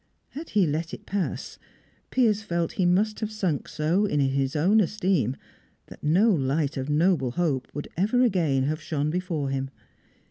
Had he let it pass, Piers felt he must have sunk so in his own esteem, that no light of noble hope would ever again have shone before him.